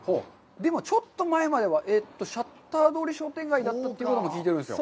でもちょっと前まではシャッター通り商店街だったということも聞いてるんですよ。